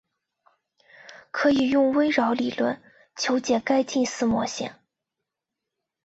可以用微扰理论求解该近似模型。